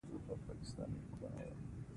هغلته بل ماشین دی هلته ورشه.